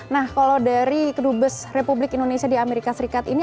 nah kalau dari kedubes republik indonesia di amerika serikat ini